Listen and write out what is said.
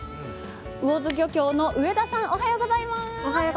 魚津漁協の上田さん、おはようございます。